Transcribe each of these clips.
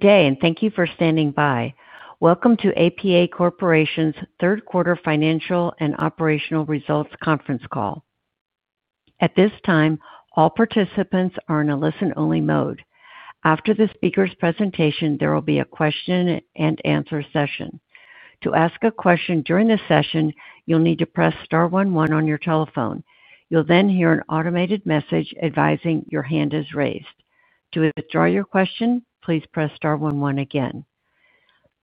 Good day, and thank you for standing by. Welcome to APA Corporation's Third Quarter Financial and Operational Results Conference Call. At this time, all participants are in a listen-only mode. After the speaker's presentation, there will be a question-and-answer session. To ask a question during the session, you'll need to press star 11 on your telephone. You'll then hear an automated message advising your hand is raised. To withdraw your question, please press star 11 again.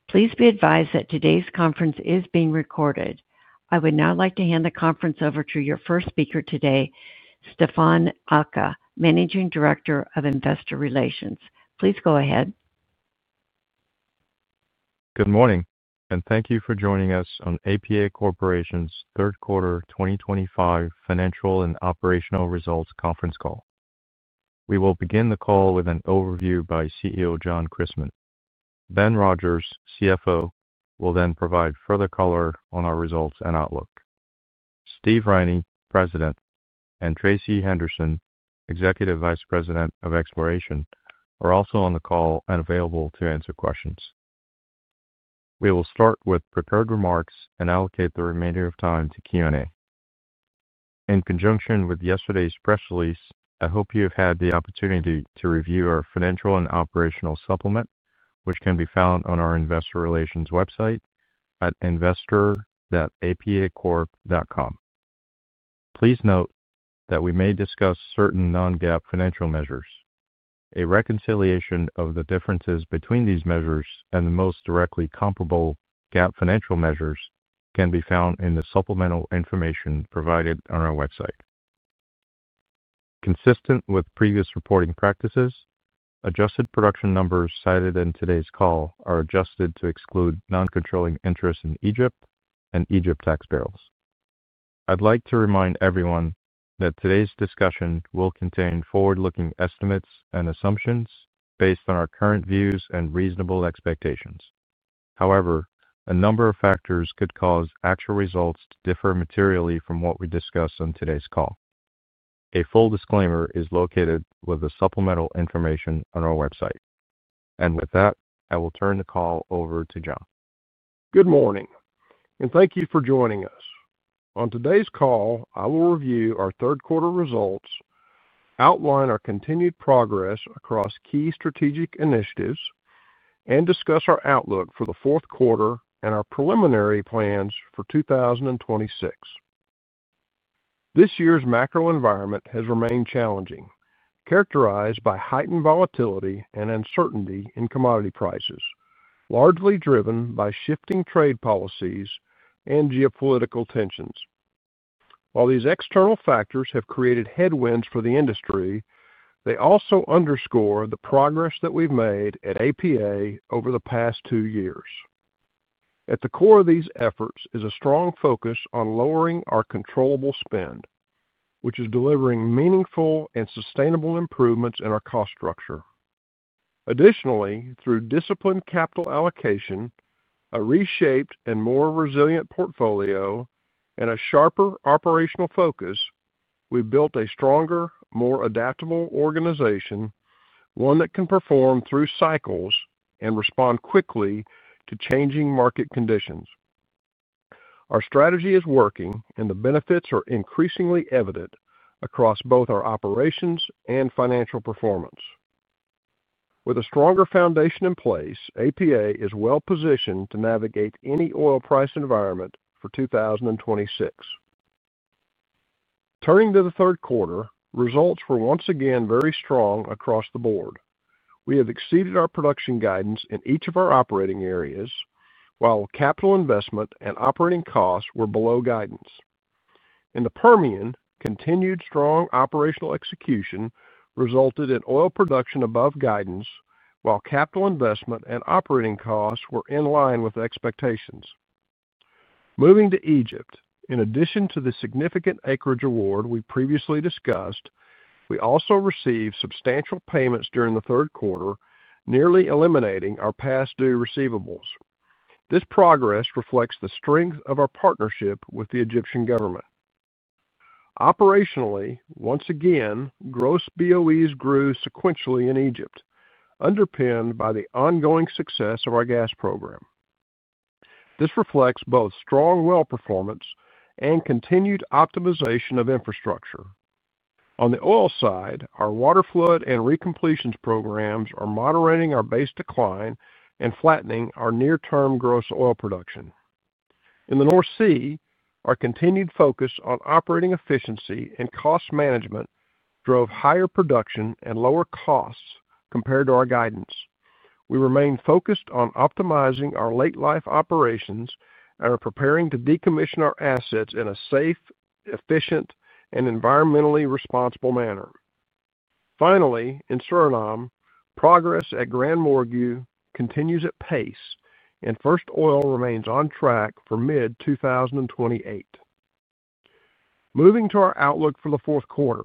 Please be advised that today's conference is being recorded. I would now like to hand the conference over to your first speaker today, Stéphane Aka, Managing Director of Investor Relations. Please go ahead. Good morning, and thank you for joining us on APA Corporation's Third Quarter 2025 Financial and Operational Results Conference Call. We will begin the call with an overview by CEO John Christmann. Ben Rogers, CFO, will then provide further color on our results and outlook. Steve Riney, President, and Tracy Henderson, Executive Vice President of Exploration, are also on the call and available to answer questions. We will start with prepared remarks and allocate the remainder of time to Q&A. In conjunction with yesterday's press release, I hope you have had the opportunity to review our financial and operational supplement, which can be found on our investor relations website at investor.apacorp.com. Please note that we may discuss certain non-GAAP financial measures. A reconciliation of the differences between these measures and the most directly comparable GAAP financial measures can be found in the supplemental information provided on our website. Consistent with previous reporting practices, adjusted production numbers cited in today's call are adjusted to exclude non-controlling interest in Egypt and Egypt tax payers. I would like to remind everyone that today's discussion will contain forward-looking estimates and assumptions based on our current views and reasonable expectations. However, a number of factors could cause actual results to differ materially from what we discuss on today's call. A full disclaimer is located with the supplemental information on our website. With that, I will turn the call over to John. Good morning, and thank you for joining us. On today's call, I will review our third quarter results, outline our continued progress across key strategic initiatives, and discuss our outlook for the fourth quarter and our preliminary plans for 2026. This year's macro environment has remained challenging, characterized by heightened volatility and uncertainty in commodity prices, largely driven by shifting trade policies and geopolitical tensions. While these external factors have created headwinds for the industry, they also underscore the progress that we've made at APA over the past two years. At the core of these efforts is a strong focus on lowering our controllable spend, which is delivering meaningful and sustainable improvements in our cost structure. Additionally, through disciplined capital allocation, a reshaped and more resilient portfolio, and a sharper operational focus, we've built a stronger, more adaptable organization, one that can perform through cycles and respond quickly to changing market conditions. Our strategy is working, and the benefits are increasingly evident across both our operations and financial performance. With a stronger foundation in place, APA is well-positioned to navigate any oil price environment for 2026. Turning to the third quarter, results were once again very strong across the board. We have exceeded our production guidance in each of our operating areas, while capital investment and operating costs were below guidance. In the Permian, continued strong operational execution resulted in oil production above guidance, while capital investment and operating costs were in line with expectations. Moving to Egypt, in addition to the significant acreage award we previously discussed, we also received substantial payments during the third quarter, nearly eliminating our past due receivables. This progress reflects the strength of our partnership with the Egyptian government. Operationally, once again, gross BOEs grew sequentially in Egypt, underpinned by the ongoing success of our gas program. This reflects both strong oil performance and continued optimization of infrastructure. On the oil side, our water flood and recompletions programs are moderating our base decline and flattening our near-term gross oil production. In the North Sea, our continued focus on operating efficiency and cost management drove higher production and lower costs compared to our guidance. We remain focused on optimizing our late-life operations and are preparing to decommission our assets in a safe, efficient, and environmentally responsible manner. Finally, in Suriname, progress at GranMorgu continues at pace, and First Oil remains on track for mid-2028. Moving to our outlook for the fourth quarter.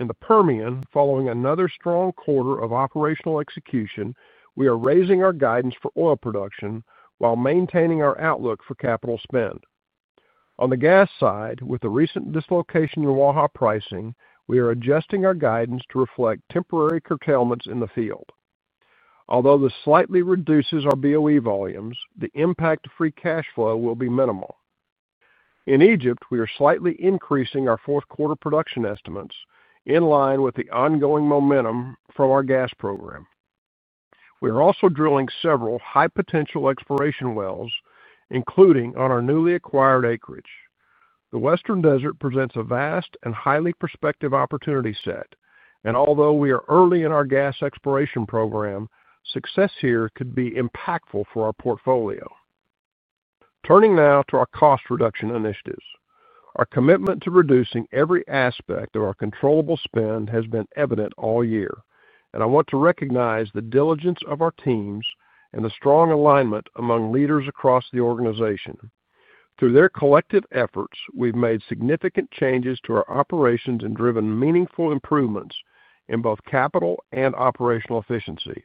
In the Permian, following another strong quarter of operational execution, we are raising our guidance for oil production while maintaining our outlook for capital spend. On the gas side, with the recent dislocation in Waha pricing, we are adjusting our guidance to reflect temporary curtailments in the field. Although this slightly reduces our BOE volumes, the impact-free cash flow will be minimal. In Egypt, we are slightly increasing our fourth quarter production estimates in line with the ongoing momentum from our gas program. We are also drilling several high-potential exploration wells, including on our newly acquired acreage. The Western Desert presents a vast and highly prospective opportunity set, and although we are early in our gas exploration program, success here could be impactful for our portfolio. Turning now to our cost reduction initiatives. Our commitment to reducing every aspect of our controllable spend has been evident all year, and I want to recognize the diligence of our teams and the strong alignment among leaders across the organization. Through their collective efforts, we've made significant changes to our operations and driven meaningful improvements in both capital and operational efficiency.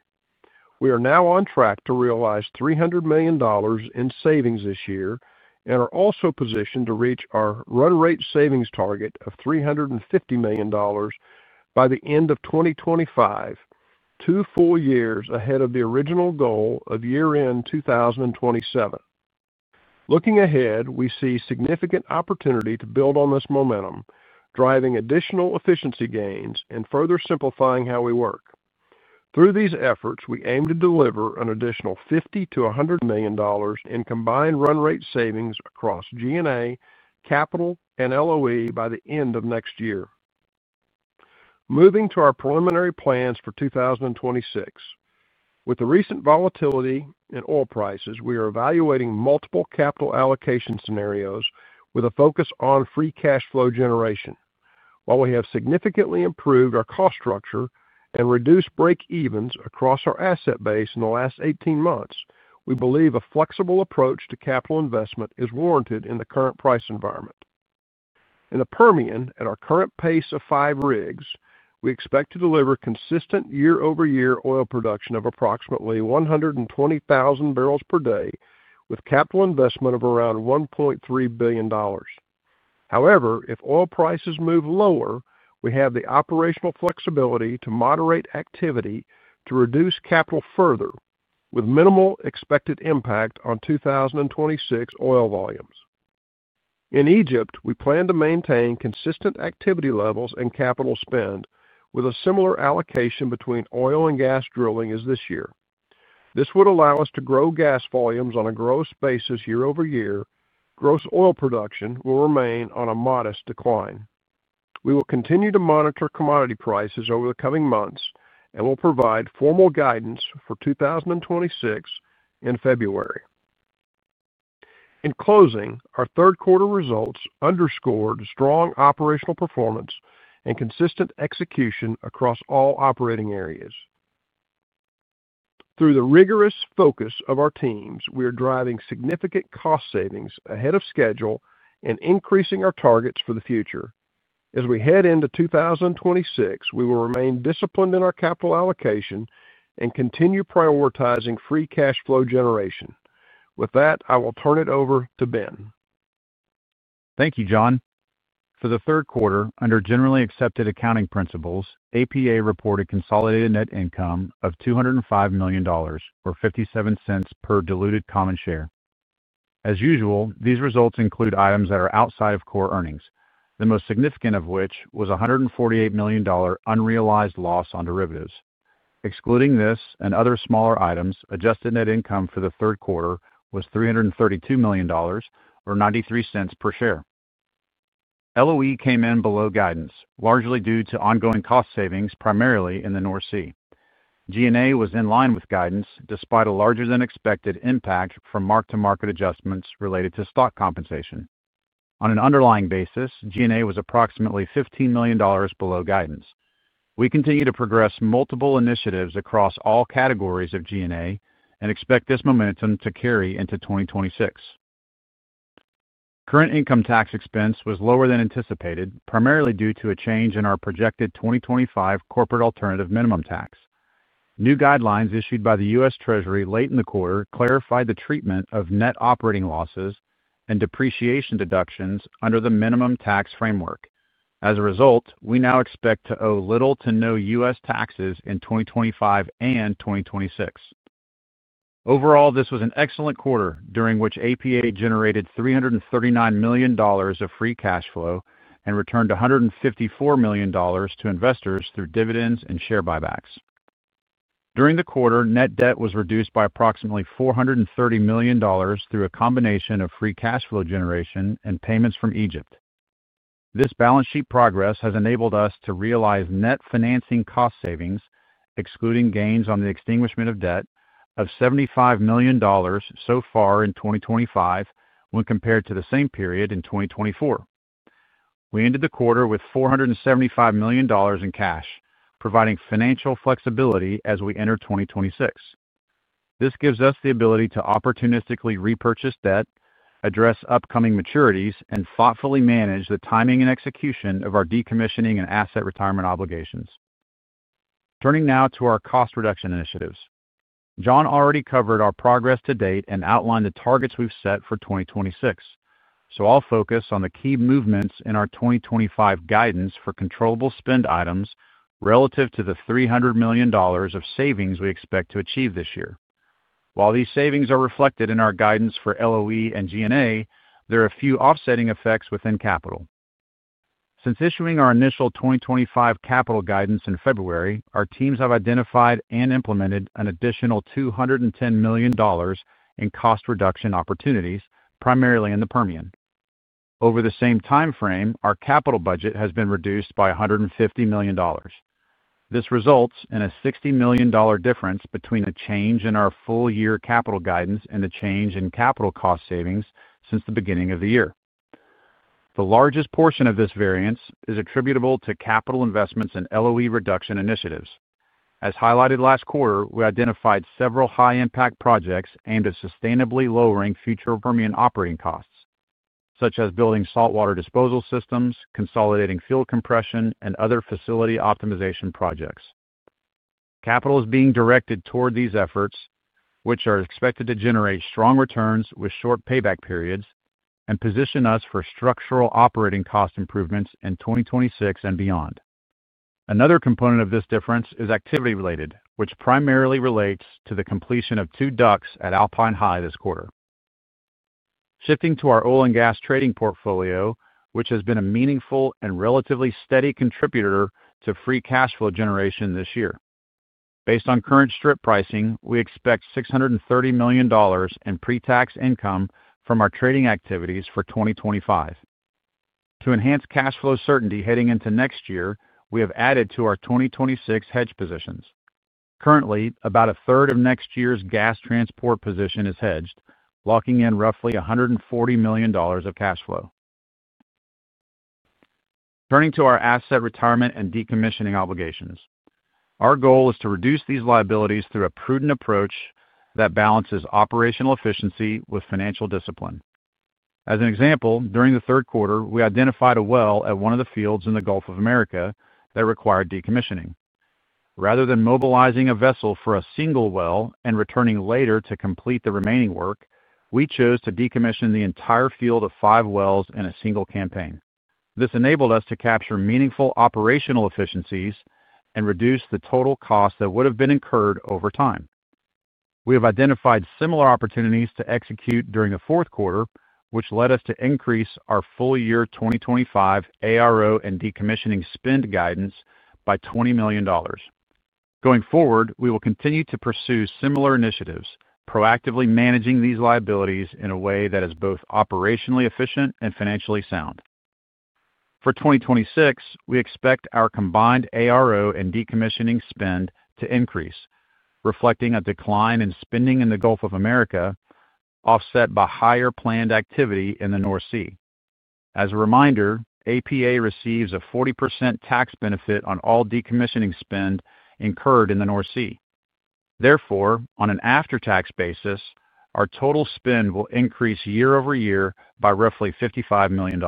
We are now on track to realize $300 million in savings this year and are also positioned to reach our run-rate savings target of $350 million by the end of 2025, two full years ahead of the original goal of year-end 2027. Looking ahead, we see significant opportunity to build on this momentum, driving additional efficiency gains and further simplifying how we work. Through these efforts, we aim to deliver an additional $50 million-$100 million in combined run-rate savings across G&A, capital, and LOE by the end of next year. Moving to our preliminary plans for 2026. With the recent volatility in oil prices, we are evaluating multiple capital allocation scenarios with a focus on free cash flow generation. While we have significantly improved our cost structure and reduced break-evens across our asset base in the last 18 months, we believe a flexible approach to capital investment is warranted in the current price environment. In the Permian, at our current pace of five rigs, we expect to deliver consistent year-over-year oil production of approximately 120,000 barrels per day with capital investment of around $1.3 billion. However, if oil prices move lower, we have the operational flexibility to moderate activity to reduce capital further, with minimal expected impact on 2026 oil volumes. In Egypt, we plan to maintain consistent activity levels and capital spend with a similar allocation between oil and gas drilling as this year. This would allow us to grow gas volumes on a gross basis year-over-year. Gross oil production will remain on a modest decline. We will continue to monitor commodity prices over the coming months and will provide formal guidance for 2026 in February. In closing, our third quarter results underscored strong operational performance and consistent execution across all operating areas. Through the rigorous focus of our teams, we are driving significant cost savings ahead of schedule and increasing our targets for the future. As we head into 2026, we will remain disciplined in our capital allocation and continue prioritizing free cash flow generation. With that, I will turn it over to Ben. Thank you, John. For the third quarter, under generally accepted accounting principles, APA reported consolidated net income of $205 million, or $0.57 per diluted common share. As usual, these results include items that are outside of core earnings, the most significant of which was a $148 million unrealized loss on derivatives. Excluding this and other smaller items, adjusted net income for the third quarter was $332 million, or $0.93 per share. LOE came in below guidance, largely due to ongoing cost savings primarily in the North Sea. G&A was in line with guidance despite a larger-than-expected impact from mark-to-market adjustments related to stock compensation. On an underlying basis, G&A was approximately $15 million below guidance. We continue to progress multiple initiatives across all categories of G&A and expect this momentum to carry into 2026. Current income tax expense was lower than anticipated, primarily due to a change in our projected 2025 corporate alternative minimum tax. New guidelines issued by the U.S. Treasury late in the quarter clarified the treatment of net operating losses and depreciation deductions under the minimum tax framework. As a result, we now expect to owe little to no U.S. taxes in 2025 and 2026. Overall, this was an excellent quarter during which APA generated $339 million of free cash flow and returned $154 million to investors through dividends and share buybacks. During the quarter, net debt was reduced by approximately $430 million through a combination of free cash flow generation and payments from Egypt. This balance sheet progress has enabled us to realize net financing cost savings, excluding gains on the extinguishment of debt, of $75 million so far in 2025 when compared to the same period in 2024. We ended the quarter with $475 million in cash, providing financial flexibility as we enter 2026. This gives us the ability to opportunistically repurchase debt, address upcoming maturities, and thoughtfully manage the timing and execution of our decommissioning and asset retirement obligations. Turning now to our cost reduction initiatives. John already covered our progress to date and outlined the targets we've set for 2026, so I'll focus on the key movements in our 2025 guidance for controllable spend items relative to the $300 million of savings we expect to achieve this year. While these savings are reflected in our guidance for LOE and G&A, there are a few offsetting effects within capital. Since issuing our initial 2025 capital guidance in February, our teams have identified and implemented an additional $210 million in cost reduction opportunities, primarily in the Permian. Over the same timeframe, our capital budget has been reduced by $150 million. This results in a $60 million difference between the change in our full-year capital guidance and the change in capital cost savings since the beginning of the year. The largest portion of this variance is attributable to capital investments in LOE reduction initiatives. As highlighted last quarter, we identified several high-impact projects aimed at sustainably lowering future Permian operating costs, such as building saltwater disposal systems, consolidating field compression, and other facility optimization projects. Capital is being directed toward these efforts, which are expected to generate strong returns with short payback periods and position us for structural operating cost improvements in 2026 and beyond. Another component of this difference is activity-related, which primarily relates to the completion of two ducts at Alpine High this quarter. Shifting to our oil and gas trading portfolio, which has been a meaningful and relatively steady contributor to free cash flow generation this year. Based on current strip pricing, we expect $630 million in pre-tax income from our trading activities for 2025. To enhance cash flow certainty heading into next year, we have added to our 2026 hedge positions. Currently, about a third of next year's gas transport position is hedged, locking in roughly $140 million of cash flow. Turning to our asset retirement and decommissioning obligations. Our goal is to reduce these liabilities through a prudent approach that balances operational efficiency with financial discipline. As an example, during the third quarter, we identified a well at one of the fields in the Gulf of Mexico that required decommissioning. Rather than mobilizing a vessel for a single well and returning later to complete the remaining work, we chose to decommission the entire field of five wells in a single campaign. This enabled us to capture meaningful operational efficiencies and reduce the total cost that would have been incurred over time. We have identified similar opportunities to execute during the fourth quarter, which led us to increase our full-year 2025 ARO and decommissioning spend guidance by $20 million. Going forward, we will continue to pursue similar initiatives, proactively managing these liabilities in a way that is both operationally efficient and financially sound. For 2026, we expect our combined ARO and decommissioning spend to increase, reflecting a decline in spending in the Gulf of Mexico, offset by higher planned activity in the North Sea. As a reminder, APA receives a 40% tax benefit on all decommissioning spend incurred in the North Sea. Therefore, on an after-tax basis, our total spend will increase year-over-year by roughly $55 million.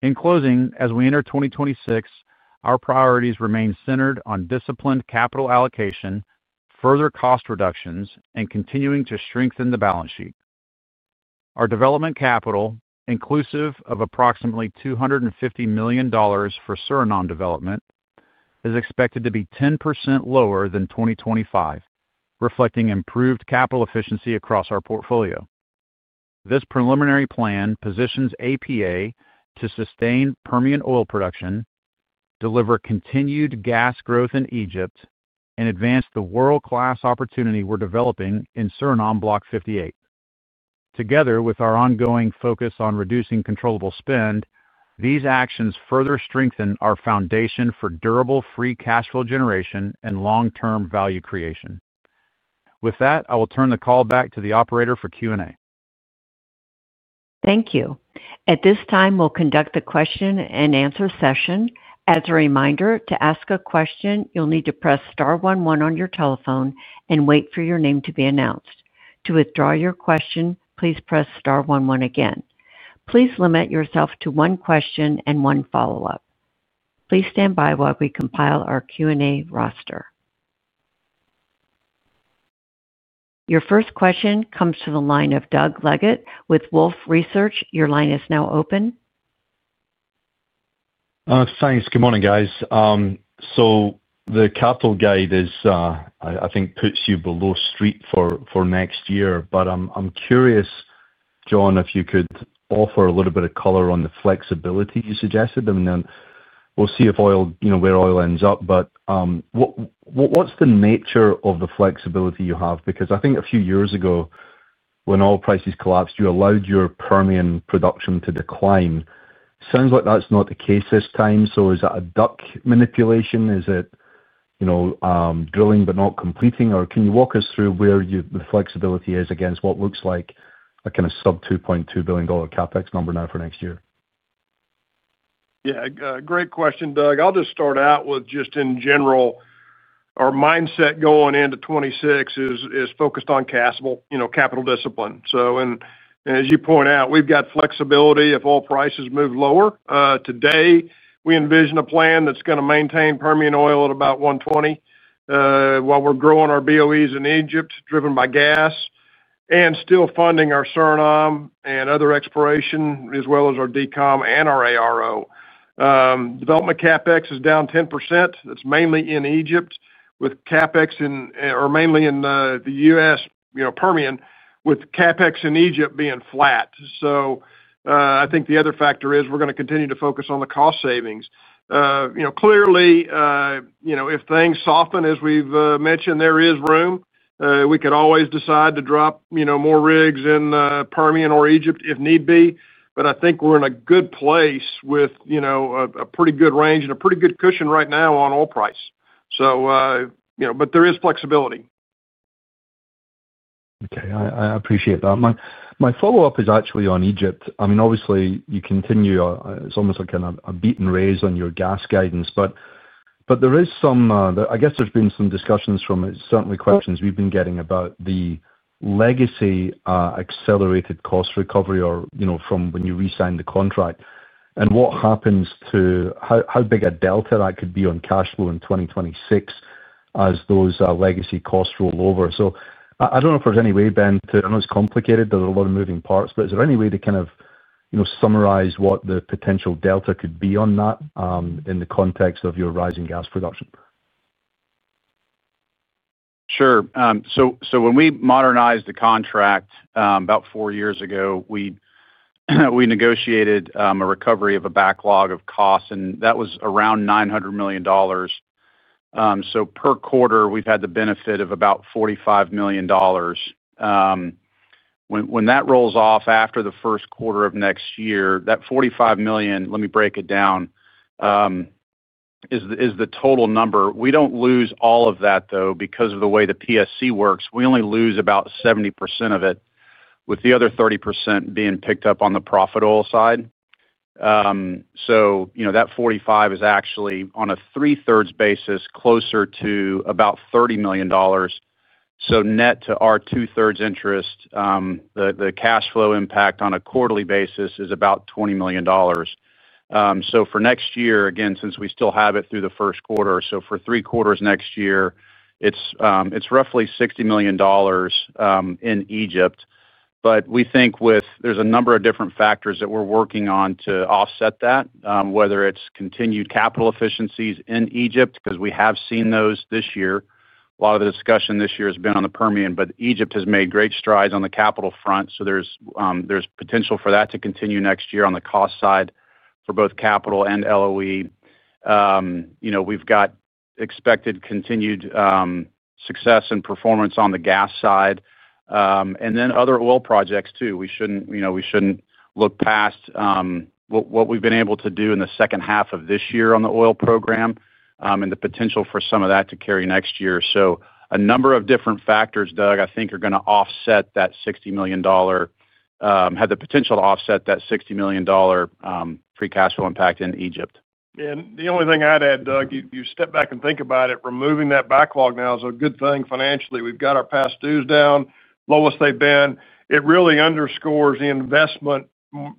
In closing, as we enter 2026, our priorities remain centered on disciplined capital allocation, further cost reductions, and continuing to strengthen the balance sheet. Our development capital, inclusive of approximately $250 million for Suriname development, is expected to be 10% lower than 2025, reflecting improved capital efficiency across our portfolio. This preliminary plan positions APA to sustain Permian oil production, deliver continued gas growth in Egypt, and advance the world-class opportunity we're developing in Suriname Block 58. Together with our ongoing focus on reducing controllable spend, these actions further strengthen our foundation for durable free cash flow generation and long-term value creation. With that, I will turn the call back to the operator for Q&A. Thank you. At this time, we'll conduct the question and answer session. As a reminder, to ask a question, you'll need to press Star 11 on your telephone and wait for your name to be announced. To withdraw your question, please press Star 11 again. Please limit yourself to one question and one follow-up. Please stand by while we compile our Q&A roster. Your first question comes from the line of Doug Leggett with Wolfe Research. Your line is now open. Thanks. Good morning, guys. The capital guide, I think, puts you below street for next year. I'm curious, John, if you could offer a little bit of color on the flexibility you suggested. We'll see where oil ends up. What's the nature of the flexibility you have? I think a few years ago, when oil prices collapsed, you allowed your Permian production to decline. Sounds like that's not the case this time. Is that a duck manipulation? Is it drilling but not completing? Can you walk us through where the flexibility is against what looks like a kind of sub-$2.2 billion CapEx number now for next year? Yeah. Great question, Doug. I'll just start out with just in general, our mindset going into 2026 is focused on capital discipline. As you point out, we've got flexibility if oil prices move lower. Today, we envision a plan that's going to maintain Permian oil at about $120. While we're growing our BOEs in Egypt, driven by gas, and still funding our Suriname and other exploration, as well as our decom and our ARO. Development CapEx is down 10%. That's mainly in Egypt, mainly in the U.S. Permian, with CapEx in Egypt being flat. I think the other factor is we're going to continue to focus on the cost savings. Clearly. If things soften, as we've mentioned, there is room. We could always decide to drop more rigs in Permian or Egypt if need be. I think we're in a good place with a pretty good range and a pretty good cushion right now on oil price. There is flexibility. Okay. I appreciate that. My follow-up is actually on Egypt. I mean, obviously, you continue—it's almost like a beat and raise on your gas guidance. But there is some—I guess there's been some discussions from certainly questions we've been getting about the legacy accelerated cost recovery from when you resigned the contract and what happens to how big a delta that could be on cash flow in 2026 as those legacy costs roll over. I don't know if there's any way, Ben, to—I know it's complicated. There are a lot of moving parts. Is there any way to kind of summarize what the potential delta could be on that in the context of your rising gas production? Sure. When we modernized the contract about four years ago, we negotiated a recovery of a backlog of costs, and that was around $900 million. Per quarter, we've had the benefit of about $45 million. When that rolls off after the first quarter of next year, that $45 million—let me break it down—is the total number. We do not lose all of that, though, because of the way the PSC works. We only lose about 70% of it, with the other 30% being picked up on the profitable side. That $45 million is actually, on a three-thirds basis, closer to about $30 million. Net to our two-thirds interest, the cash flow impact on a quarterly basis is about $20 million. For next year, again, since we still have it through the first quarter, for three quarters next year, it is roughly $60 million in Egypt. We think there are a number of different factors that we are working on to offset that, whether it is continued capital efficiencies in Egypt, because we have seen those this year. A lot of the discussion this year has been on the Permian, but Egypt has made great strides on the capital front. There is potential for that to continue next year on the cost side for both capital and LOE. We have expected continued success and performance on the gas side. Then other oil projects too. We should not look past what we have been able to do in the second half of this year on the oil program and the potential for some of that to carry into next year. A number of different factors, Doug, I think, are going to offset that $60 million, have the potential to offset that $60 million free cash flow impact in Egypt. The only thing I'd add, Doug, you step back and think about it, removing that backlog now is a good thing financially. We've got our past dues down, lowest they've been. It really underscores the investment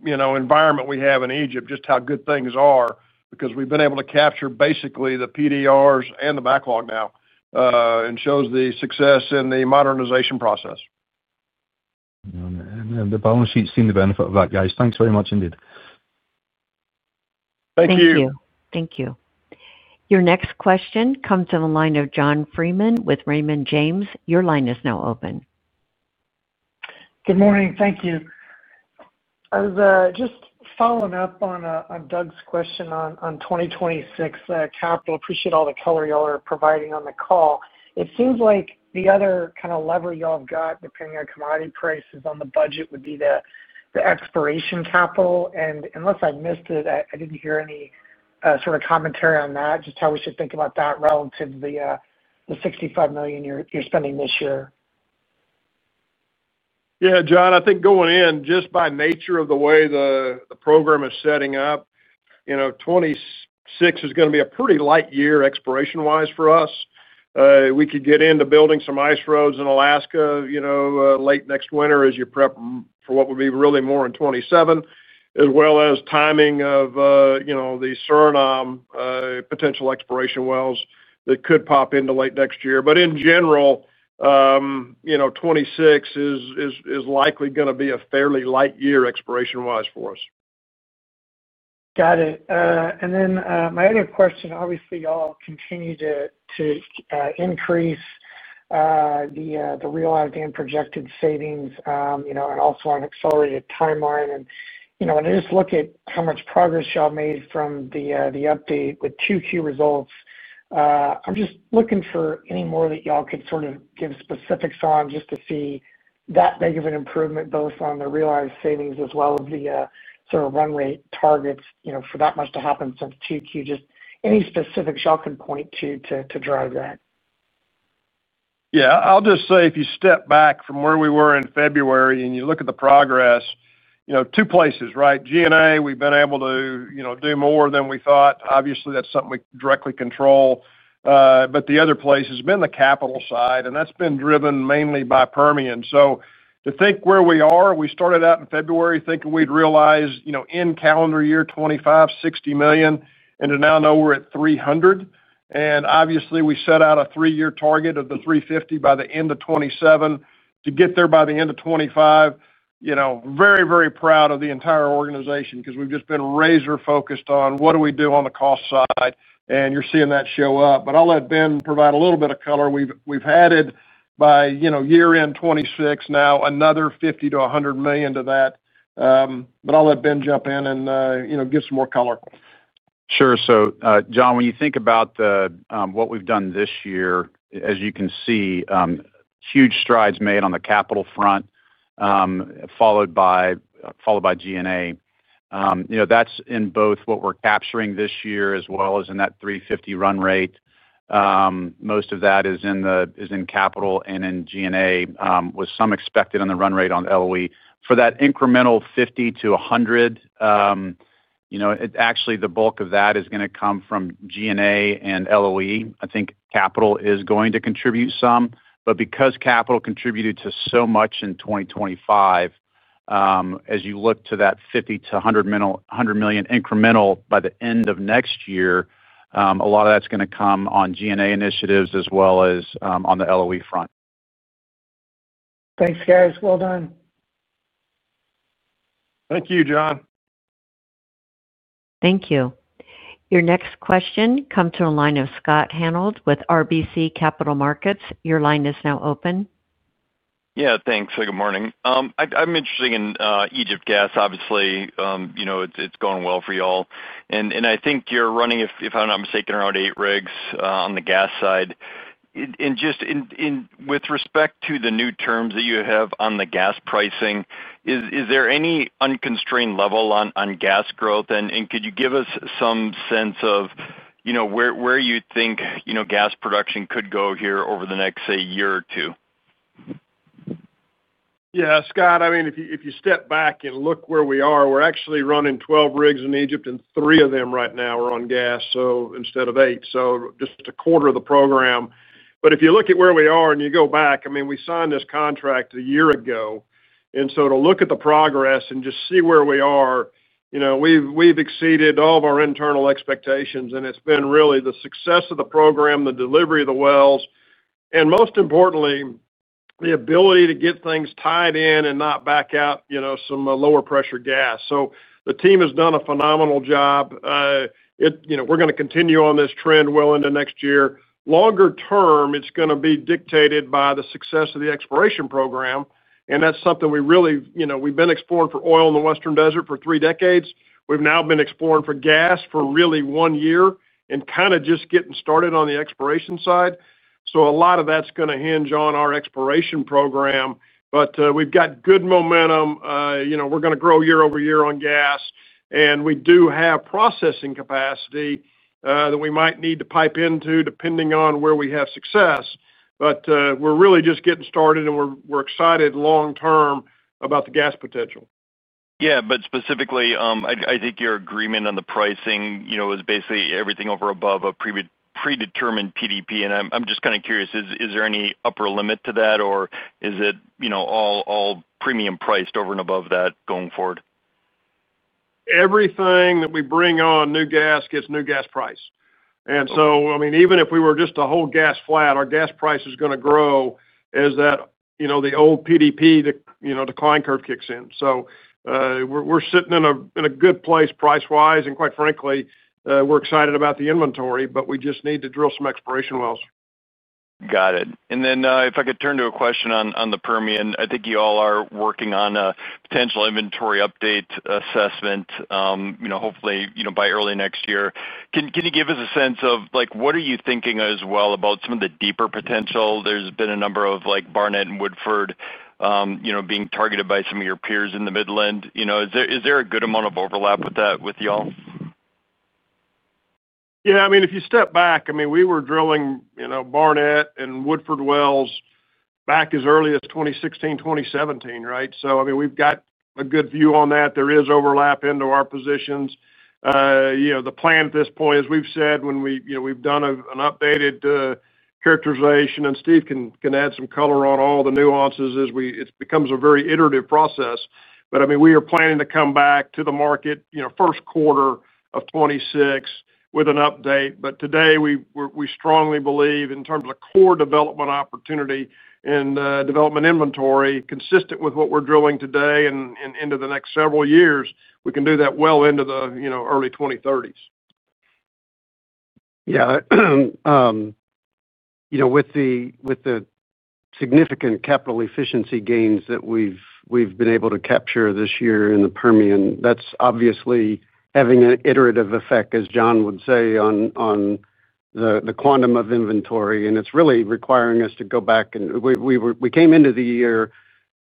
environment we have in Egypt, just how good things are, because we've been able to capture basically the PDRs and the backlog now. It shows the success in the modernization process. The balance sheet's seen the benefit of that, guys. Thanks very much indeed. Thank you. Thank you. Thank you. Your next question comes in the line of John Freeman with Raymond James. Your line is now open. Good morning. Thank you. I was just following up on Doug's question on 2026 capital. Appreciate all the color y'all are providing on the call. It seems like the other kind of lever y'all have got depending on commodity prices on the budget would be the exploration capital. And unless I missed it, I didn't hear any sort of commentary on that, just how we should think about that relative to the $65 million you're spending this year. Yeah, John, I think going in, just by nature of the way the program is setting up. 2026 is going to be a pretty light year exploration-wise for us. We could get into building some ice roads in Alaska late next winter as you prep for what would be really more in 2027, as well as timing of the Suriname potential exploration wells that could pop into late next year. In general, 2026 is likely going to be a fairly light year exploration-wise for us. Got it. My other question, obviously, y'all continue to increase the real-time projected savings and also on an accelerated timeline. I just look at how much progress y'all made from the update with Q2 results. I'm just looking for any more that y'all could sort of give specifics on, just to see that big of an improvement, both on the realized savings as well as the sort of run rate targets for that much to happen since Q2. Just any specifics y'all can point to to drive that. Yeah. I'll just say if you step back from where we were in February and you look at the progress. Two places, right? G&A, we've been able to do more than we thought. Obviously, that's something we directly control. The other place has been the capital side, and that's been driven mainly by Permian. To think where we are, we started out in February thinking we'd realize in calendar year 2025, $60 million, and to now know we're at $300 million. Obviously, we set out a three-year target of the $350 million by the end of 2027 to get there by the end of 2025. Very, very proud of the entire organization because we've just been razor-focused on what do we do on the cost side. You're seeing that show up. I'll let Ben provide a little bit of color. We've added by year-end 2026 now another $50 million-$100 million to that. But I'll let Ben jump in and give some more color. Sure. John, when you think about what we've done this year, as you can see, huge strides made on the capital front, followed by G&A. That's in both what we're capturing this year as well as in that $350 million run rate. Most of that is in capital and in G&A, with some expected on the run rate on LOE. For that incremental $50 million-$100 million, actually, the bulk of that is going to come from G&A and LOE. I think capital is going to contribute some, because capital contributed so much in 2025. As you look to that $50 million-$100 million incremental by the end of next year, a lot of that's going to come on G&A initiatives as well as on the LOE front. Thanks, guys. Well done. Thank you, John. Thank you. Your next question comes to a line of Scott Hanold with RBC Capital Markets. Your line is now open. Yeah. Thanks. Good morning. I'm interested in Egypt gas. Obviously. It's going well for y'all. I think you're running, if I'm not mistaken, around eight rigs on the gas side. Just with respect to the new terms that you have on the gas pricing, is there any unconstrained level on gas growth? Could you give us some sense of where you think gas production could go here over the next, say, year or two? Yeah. Scott, I mean, if you step back and look where we are, we're actually running 12 rigs in Egypt, and three of them right now are on gas, so instead of eight. Just a quarter of the program. If you look at where we are and you go back, I mean, we signed this contract a year ago. To look at the progress and just see where we are, we've exceeded all of our internal expectations. It's been really the success of the program, the delivery of the wells, and most importantly, the ability to get things tied in and not back out some lower pressure gas. The team has done a phenomenal job. We're going to continue on this trend well into next year. Longer term, it's going to be dictated by the success of the exploration program. That is something we really—we have been exploring for oil in the Western Desert for three decades. We have now been exploring for gas for really one year and kind of just getting started on the exploration side. A lot of that is going to hinge on our exploration program. We have good momentum. We are going to grow year-over-year on gas. We do have processing capacity that we might need to pipe into depending on where we have success. We are really just getting started, and we are excited long-term about the gas potential. Yeah. Specifically, I think your agreement on the pricing was basically everything over above a predetermined PDP. I'm just kind of curious, is there any upper limit to that, or is it all premium priced over and above that going forward? Everything that we bring on new gas gets new gas price. I mean, even if we were just to hold gas flat, our gas price is going to grow as the old PDP, the decline curve, kicks in. We are sitting in a good place price-wise. And quite frankly, we are excited about the inventory, but we just need to drill some exploration wells. Got it. If I could turn to a question on the Permian, I think you all are working on a potential inventory update assessment, hopefully by early next year. Can you give us a sense of what you are thinking as well about some of the deeper potential? There has been a number of Barnett and Woodford being targeted by some of your peers in the Midland. Is there a good amount of overlap with that with y'all? Yeah. I mean, if you step back, I mean, we were drilling Barnett and Woodford wells back as early as 2016, 2017, right? I mean, we've got a good view on that. There is overlap into our positions. The plan at this point, as we've said, when we've done an updated characterization, and Steve can add some color on all the nuances as it becomes a very iterative process. I mean, we are planning to come back to the market first quarter of 2026 with an update. Today, we strongly believe in terms of core development opportunity and development inventory, consistent with what we're drilling today and into the next several years, we can do that well into the early 2030s. Yeah. With the significant capital efficiency gains that we've been able to capture this year in the Permian, that's obviously having an iterative effect, as John would say, on the quantum of inventory. It's really requiring us to go back. We came into the year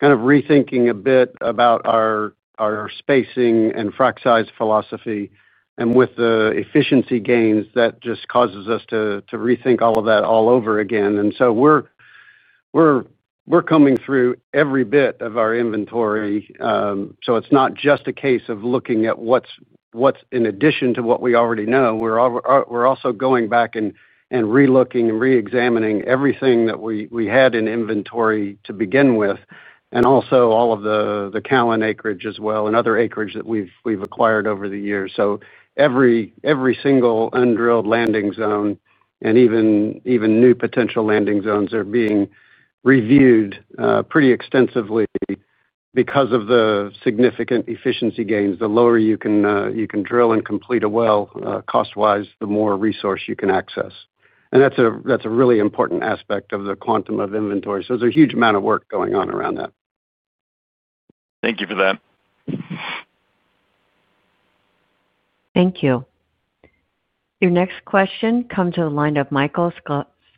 kind of rethinking a bit about our spacing and frac size philosophy. With the efficiency gains, that just causes us to rethink all of that all over again. We're coming through every bit of our inventory. It's not just a case of looking at what's in addition to what we already know. We're also going back and relooking and reexamining everything that we had in inventory to begin with, and also all of the Callon acreage as well and other acreage that we've acquired over the years. Every single un-drilled landing zone and even new potential landing zones are being reviewed pretty extensively because of the significant efficiency gains. The lower you can drill and complete a well, cost-wise, the more resource you can access. That is a really important aspect of the quantum of inventory. There is a huge amount of work going on around that. Thank you for that. Thank you. Your next question comes to the line of Michael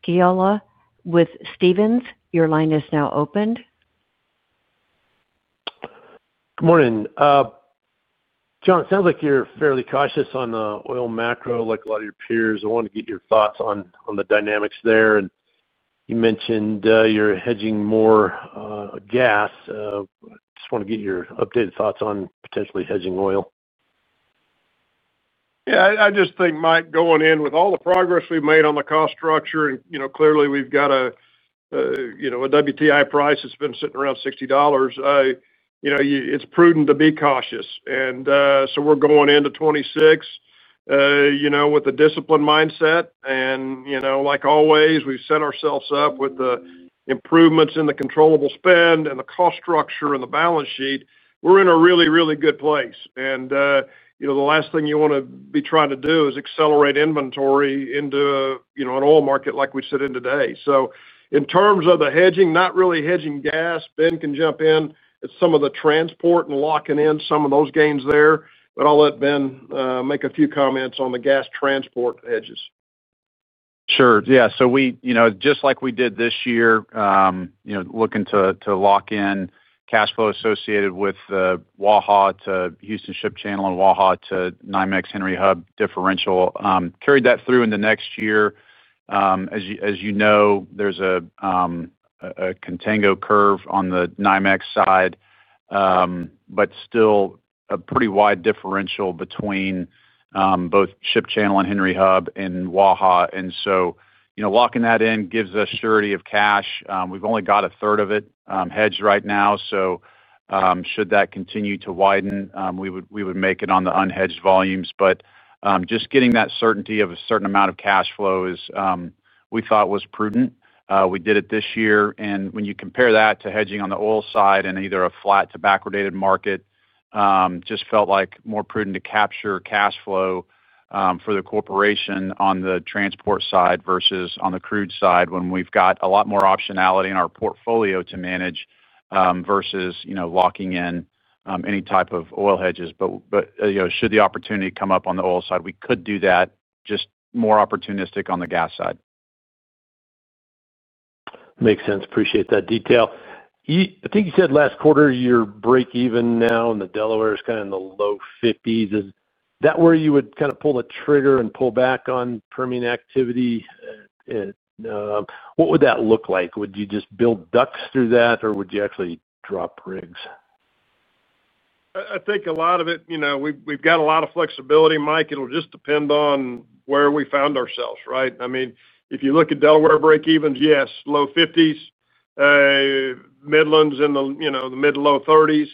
Scialla with Stephens. Your line is now opened. Good morning. John, it sounds like you're fairly cautious on the oil macro, like a lot of your peers. I want to get your thoughts on the dynamics there. You mentioned you're hedging more. Gas. I just want to get your updated thoughts on potentially hedging oil. Yeah. I just think, Mike, going in with all the progress we've made on the cost structure, and clearly we've got a WTI price that's been sitting around $60. It's prudent to be cautious. We're going into 2026 with a disciplined mindset. Like always, we've set ourselves up with the improvements in the controllable spend and the cost structure and the balance sheet. We're in a really, really good place. The last thing you want to be trying to do is accelerate inventory into an oil market like we sit in today. In terms of the hedging, not really hedging gas, Ben can jump in at some of the transport and locking in some of those gains there. I'll let Ben make a few comments on the gas transport hedges. Sure. Yeah. Just like we did this year, looking to lock in cash flow associated with Waha to Houston Ship Channel and Waha to NYMEX Henry Hub differential, carried that through into next year. As you know, there is a contango curve on the NYMEX side, but still a pretty wide differential between both Ship Channel and Henry Hub and Waha. Locking that in gives us surety of cash. We have only got a third of it hedged right now. Should that continue to widen, we would make it on the unhedged volumes. Just getting that certainty of a certain amount of cash flow, we thought was prudent. We did it this year. When you compare that to hedging on the oil side and either a flat to backward-dated market. Just felt like more prudent to capture cash flow for the corporation on the transport side versus on the crude side when we've got a lot more optionality in our portfolio to manage versus locking in any type of oil hedges. Should the opportunity come up on the oil side, we could do that, just more opportunistic on the gas side. Makes sense. Appreciate that detail. I think you said last quarter you're break-even now, and the Delaware is kind of in the low 50s. Is that where you would kind of pull the trigger and pull back on Permian activity? What would that look like? Would you just build ducks through that, or would you actually drop rigs? I think a lot of it, we've got a lot of flexibility, Mike. It'll just depend on where we found ourselves, right? I mean, if you look at Delaware break-evens, yes, low $50s. Midlands in the mid to low $30s.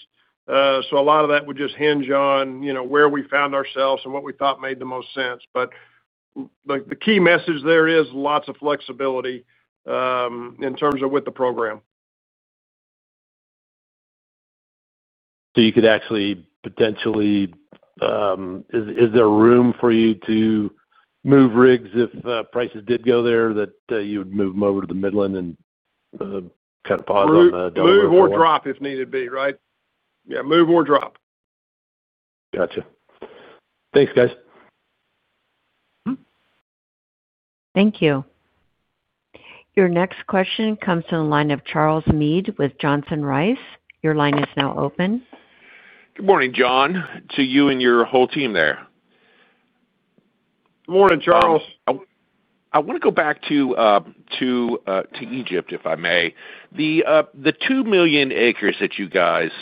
A lot of that would just hinge on where we found ourselves and what we thought made the most sense. The key message there is lots of flexibility in terms of with the program. You could actually potentially. Is there room for you to move rigs if prices did go there that you would move them over to the Midland and kind of pause on Delaware? Move or drop if needed be, right? Yeah. Move or drop. Gotcha. Thanks, guys. Thank you. Your next question comes to the line of Charles Meade with Johnson Rice. Your line is now open. Good morning, John. To you and your whole team there. Good morning, Charles. I want to go back to Egypt, if I may. The 2 million acres that you guys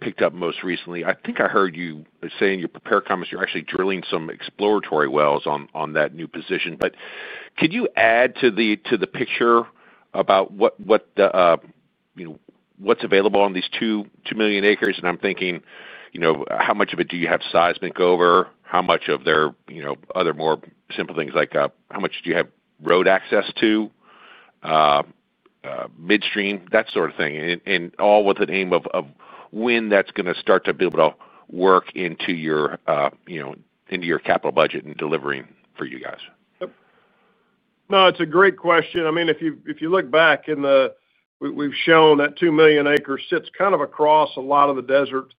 picked up most recently, I think I heard you say in your prepared comments you're actually drilling some exploratory wells on that new position. Could you add to the picture about what is available on these 2 million acres? I'm thinking how much of it do you have seismic over, how much are there other more simple things like how much do you have road access to, midstream, that sort of thing, all with an aim of when that's going to start to be able to work into your capital budget and delivering for you guys? No, it's a great question. I mean, if you look back in the, we've shown that 2 million acres sits kind of across a lot of the desert,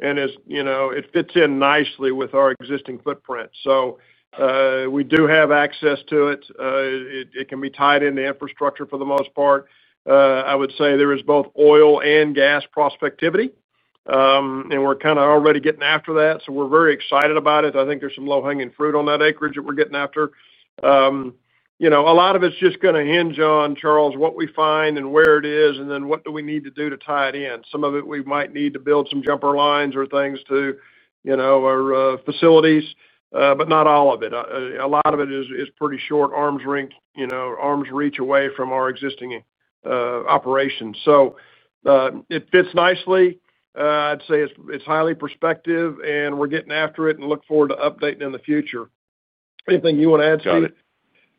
and it fits in nicely with our existing footprint. So, we do have access to it. It can be tied into infrastructure for the most part. I would say there is both oil and gas prospectivity. And we're kind of already getting after that. So we're very excited about it. I think there's some low-hanging fruit on that acreage that we're getting after. A lot of it's just going to hinge on, Charles, what we find and where it is, and then what do we need to do to tie it in. Some of it, we might need to build some jumper lines or things to our facilities, but not all of it. A lot of it is pretty short arms reach away from our existing operation. So it fits nicely. I'd say it's highly prospective, and we're getting after it and look forward to updating in the future. Anything you want to add, Steve?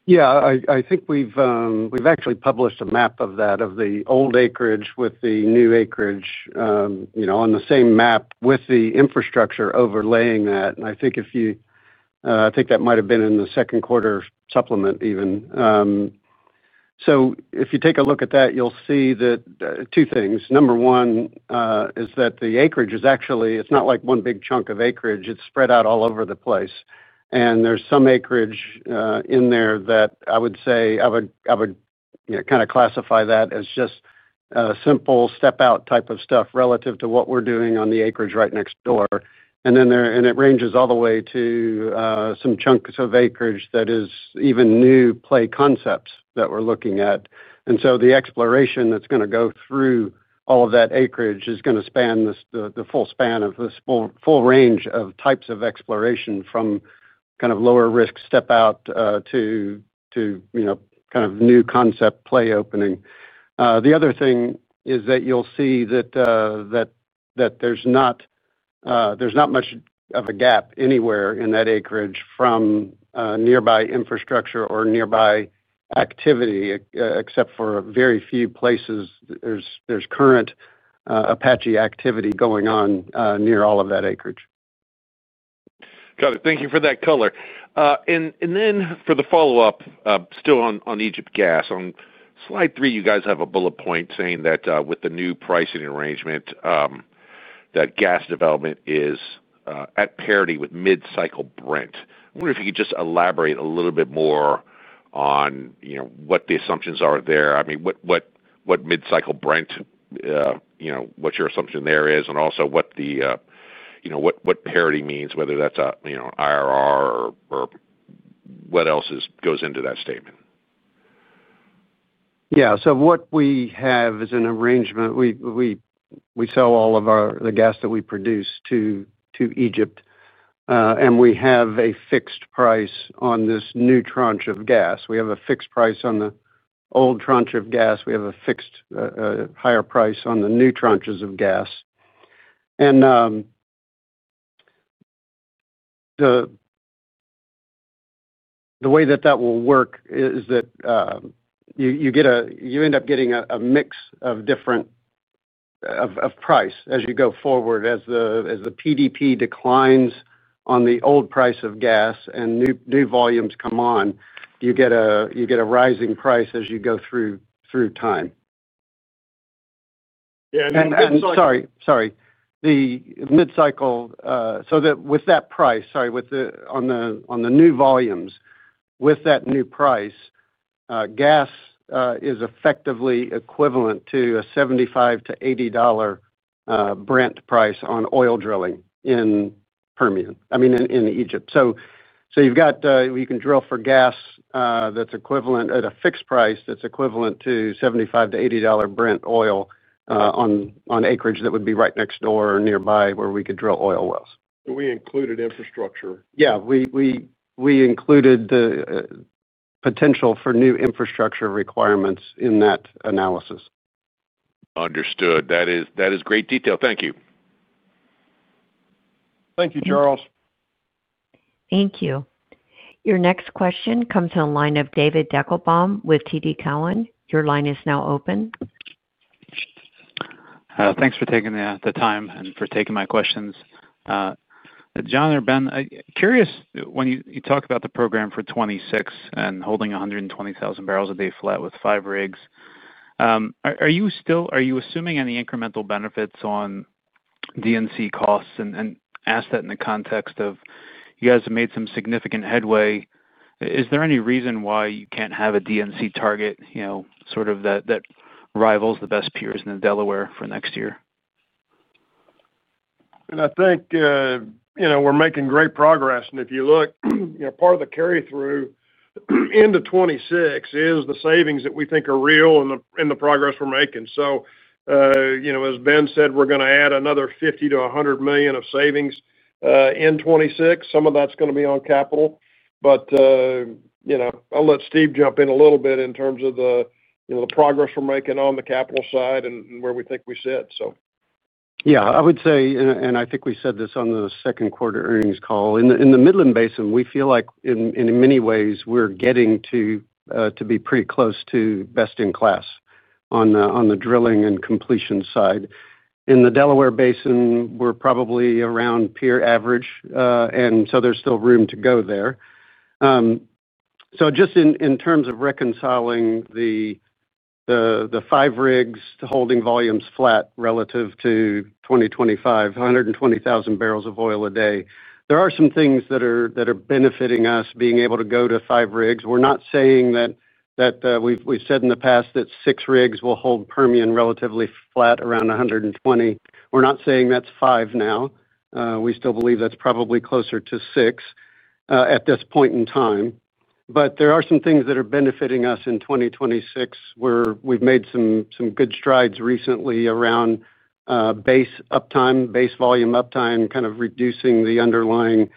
Yeah. I think we've actually published a map of that, of the old acreage with the new acreage. On the same map with the infrastructure overlaying that. I think if you—I think that might have been in the second quarter supplement even. If you take a look at that, you'll see two things. Number one is that the acreage is actually—it's not like one big chunk of acreage. It's spread out all over the place. There's some acreage in there that I would say I would kind of classify as just simple step-out type of stuff relative to what we're doing on the acreage right next door. It ranges all the way to some chunks of acreage that is even new play concepts that we're looking at. The exploration that is going to go through all of that acreage is going to span the full range of types of exploration from kind of lower risk step-out to kind of new concept play opening. The other thing is that you'll see that there is not much of a gap anywhere in that acreage from nearby infrastructure or nearby activity, except for very few places. There is current APA activity going on near all of that acreage. Got it. Thank you for that color. For the follow-up, still on Egypt gas, on slide three, you guys have a bullet point saying that with the new pricing arrangement, that gas development is at parity with mid-cycle Brent. I wonder if you could just elaborate a little bit more on what the assumptions are there. I mean, what mid-cycle Brent, what your assumption there is, and also what the, what parity means, whether that's an IRR or what else goes into that statement. Yeah. What we have is an arrangement. We sell all of the gas that we produce to Egypt. We have a fixed price on this new tranche of gas. We have a fixed price on the old tranche of gas. We have a fixed higher price on the new tranches of gas. The way that that will work is that you end up getting a mix of different prices as you go forward. As the PDP declines on the old price of gas and new volumes come on, you get a rising price as you go through time. Yeah. Sorry. Sorry. The mid-cycle. With that price, sorry, on the new volumes, with that new price. Gas is effectively equivalent to a $75-$80 Brent price on oil drilling in Permian, I mean, in Egypt. You can drill for gas that's equivalent at a fixed price that's equivalent to $75-$80 Brent oil on acreage that would be right next door or nearby where we could drill oil wells. We included infrastructure. Yeah. We included the potential for new infrastructure requirements in that analysis. Understood. That is great detail. Thank you. Thank you, Charles. Thank you. Your next question comes on line of David Deckelbaum with TD Cowen. Your line is now open. Thanks for taking the time and for taking my questions. John or Ben, curious when you talk about the program for 2026 and holding 120,000 barrels a day flat with five rigs. Are you assuming any incremental benefits on D&C costs and asset in the context of you guys have made some significant headway? Is there any reason why you can't have a D&C target sort of that rivals the best peers in Delaware for next year? I think we're making great progress. If you look, part of the carry-through into 2026 is the savings that we think are real and the progress we're making. As Ben said, we're going to add another $50 million-$100 million of savings in 2026. Some of that's going to be on capital. I'll let Steve jump in a little bit in terms of the progress we're making on the capital side and where we think we sit. Yeah. I would say, and I think we said this on the second quarter earnings call, in the Midland Basin, we feel like in many ways we're getting to be pretty close to best in class on the drilling and completion side. In the Delaware Basin, we're probably around peer average. There is still room to go there. Just in terms of reconciling the five rigs to holding volumes flat relative to 2025, 120,000 barrels of oil a day, there are some things that are benefiting us being able to go to five rigs. We're not saying that. We've said in the past that six rigs will hold Permian relatively flat around 120,000. We're not saying that's five now. We still believe that's probably closer to six at this point in time. There are some things that are benefiting us in 2026 where we've made some good strides recently around base uptime, base volume uptime, kind of reducing the underlying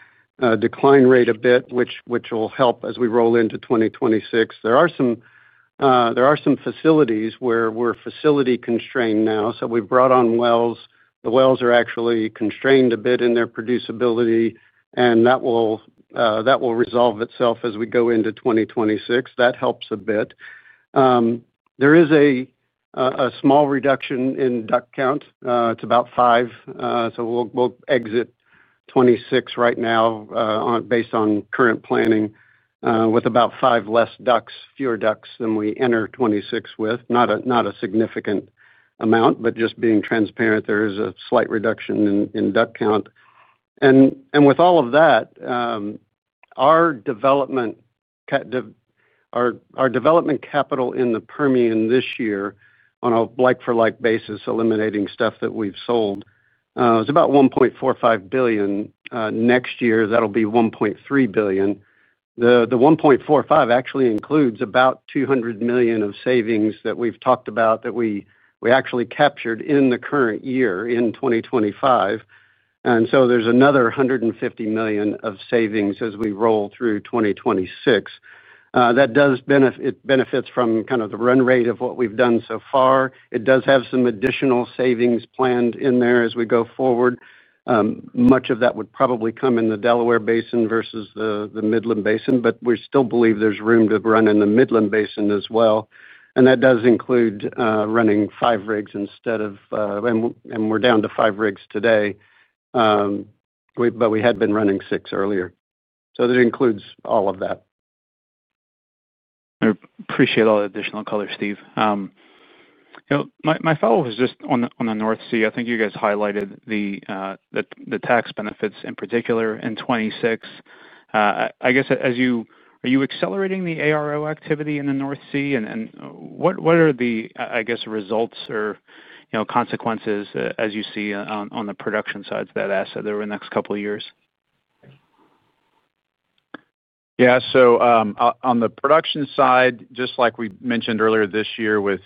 decline rate a bit, which will help as we roll into 2026. There are some facilities where we're facility constrained now. We've brought on wells. The wells are actually constrained a bit in their producibility, and that will resolve itself as we go into 2026. That helps a bit. There is a small reduction in duck count. It's about five. We'll exit 2026 right now, based on current planning, with about five fewer ducks than we enter 2026 with. Not a significant amount, but just being transparent, there is a slight reduction in duck count. With all of that, our development capital in the Permian this year on a like-for-like basis, eliminating stuff that we've sold. It's about $1.45 billion. Next year, that'll be $1.3 billion. The $1.45 billion actually includes about $200 million of savings that we've talked about that we actually captured in the current year in 2025. There is another $150 million of savings as we roll through 2026. That does benefit from kind of the run rate of what we've done so far. It does have some additional savings planned in there as we go forward. Much of that would probably come in the Delaware Basin versus the Midland Basin, but we still believe there's room to run in the Midland Basin as well. That does include running five rigs instead of—we're down to five rigs today. We had been running six earlier. That includes all of that. I appreciate all the additional color, Steve. My follow-up is just on the North Sea. I think you guys highlighted the tax benefits in particular in 2026. I guess, are you accelerating the ARO activity in the North Sea? What are the, I guess, results or consequences as you see on the production side of that asset over the next couple of years? Yeah. On the production side, just like we mentioned earlier this year, with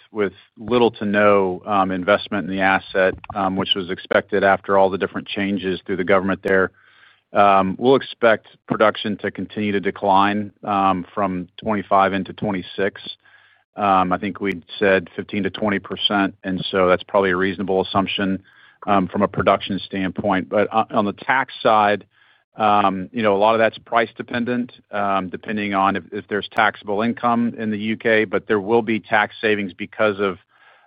little to no investment in the asset, which was expected after all the different changes through the government there, we'll expect production to continue to decline from 2025 into 2026. I think we'd said 15%-20%. That's probably a reasonable assumption from a production standpoint. On the tax side, a lot of that's price dependent, depending on if there's taxable income in the U.K. There will be tax savings because of